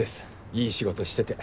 いい仕事してて。